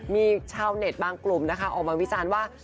มีชาวเน็ตบางกลุ่มนะคะออกมาวิจารณ์ว่า